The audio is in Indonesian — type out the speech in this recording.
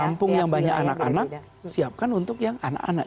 kampung yang banyak anak anak siapkan untuk yang anak anak